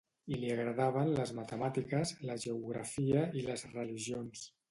I li agradaven les matemàtiques, la geografia i les religions.